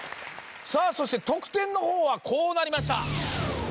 さぁそして得点のほうはこうなりました。